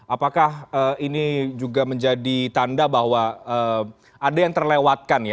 apakah ini juga menjadi tanda bahwa ada yang terlewatkan ya